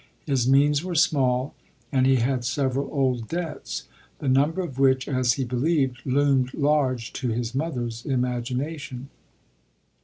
His means were small and he had several old debts, the number of which, as he believed, loomed large to his mother's imagination.